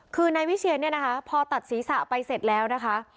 คือนายวิเชียนเนี่ยนะคะพอตัดศีรษะไปเสร็จแล้วนะคะ